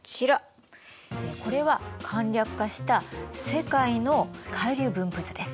これは簡略化した世界の海流分布図です。